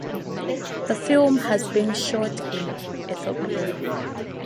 The film has been shot in Ethiopia.